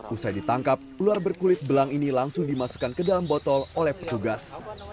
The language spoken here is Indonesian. usai ditangkap ular berkulit belang ini langsung dimasukkan ke dalam botol oleh petugas